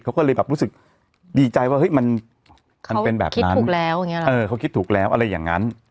เขาก็เลยแบบรู้สึกดีใจว่าเห้ยมันเป็นแบบนั้น